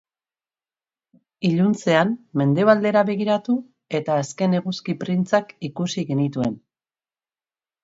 Iluntzean mendebaldera begiratu eta azken eguzki printzak ikusi genituen.